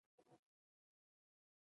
د هغه د پلټنو په پايله کې حقيقت جوت شو.